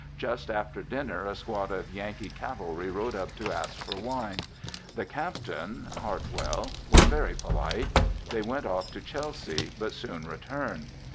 Just after dinner a squad of Yankee cavalry rode up to ask for wine. The captain (Hartwell) was very polite. They went off to Chelsea, but soon returned.